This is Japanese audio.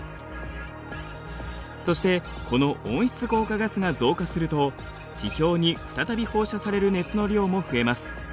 そしてこの温室効果ガスが増加すると地表に再び放射される熱の量も増えます。